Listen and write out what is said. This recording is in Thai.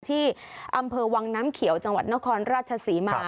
ที่อำเภอวังน้ำเขียวจังหวัดนครราชศรีมา